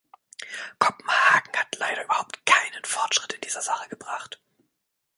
Kopenhagen hat leider überhaupt keinen Fortschritt in dieser Sache gebracht.